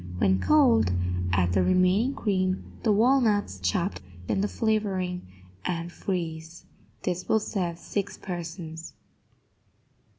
When cold, add the remaining cream, the walnuts, chopped, and the flavoring, and freeze. This will serve six persons.